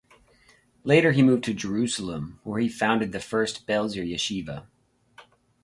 Later he moved to Jerusalem, where he founded the first Belzer yeshiva.